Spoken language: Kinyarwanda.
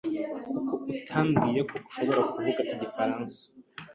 Kuki utambwiye ko ushobora kuvuga igifaransa?